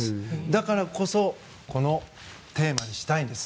だからこそこのテーマにしたんです。